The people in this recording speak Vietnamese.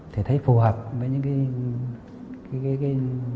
thì thấy phù hợp với những cái